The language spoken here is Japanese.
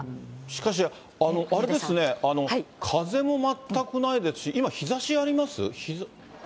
しかしあれですね、風も全くないですし、今、日ざしあります？